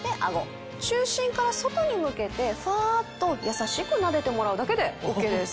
中心から外に向けてふぁっと優しくなでてもらうだけでＯＫです。